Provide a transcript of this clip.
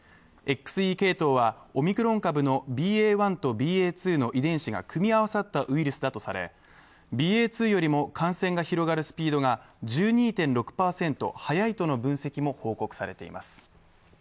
ＸＥ系統は、オミクロン株のＢＡ．１とＢＡ．２の遺伝子が組み合わさったウイルスだとされＢＡ．２よりも感染が広がるスピードが１２．６％速いとの分析も報告されています。